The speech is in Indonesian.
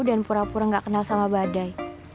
dan pura pura gak kenal sama badai